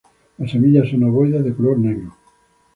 Las semillas son ovoides de color negro.